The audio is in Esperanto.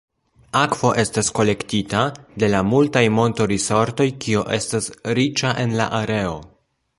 Akvo estas kolektita de la multaj monto-risortoj, kio estas riĉa en la areo.